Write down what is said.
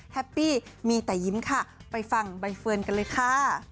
แฮปปี้มีแต่ยิ้มค่ะไปฟังใบเฟิร์นกันเลยค่ะ